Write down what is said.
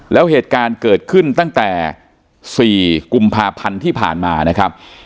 แล้วเหตุการณ์เกิดขึ้นตั้งแต่๔กุมภาพันธ์ที่ผ่านมานะครับ